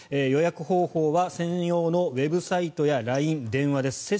予約方法は専用のウェブサイトやＬＩＮＥ、電話です。